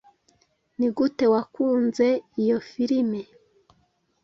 Nigute wakunze iyo firime?